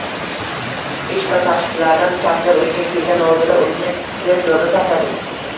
Ish va tashvishlardan charchab uyiga kelgan Nodira o`zini kresloga tashladi